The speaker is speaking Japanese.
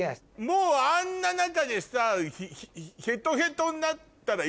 もうあんな中でさ。